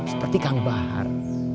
seperti kang bahar